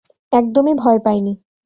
একদমই ভয় পাইনি।